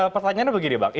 pertanyaannya begini bang